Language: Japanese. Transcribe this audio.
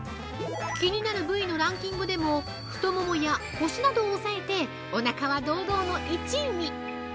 気になる部位のランキングでも太ももや腰などを抑えておなかは堂々の１位に！